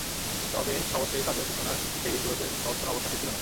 তবে সহজ সেই কাজও সূচনার সেই দিনগুলোতে সহজ কোনো অবস্থাতেই ছিল না।